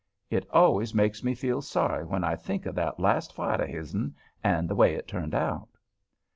It always makes me feel sorry when I think of that last fight of his'n, and the way it turned out.